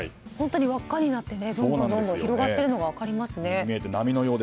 本当に輪っかになってどんどん広がっているのが分かりますよね。